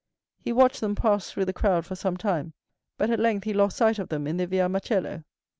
He watched them pass through the crowd for some time, but at length he lost sight of them in the Via Macello.